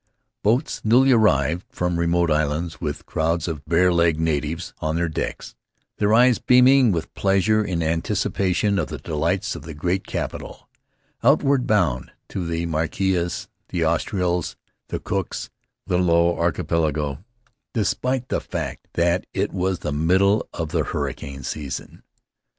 Boats newly arrived from remote islands, with crowds of bare legged natives on their decks, their eyes beaming with pleasure in anticipation of the delights of the great capital; outward bound to the Marquesas, the Australs, the Cooks, the Low Archipelago, despite the fact that it was the middle of the hurricane season.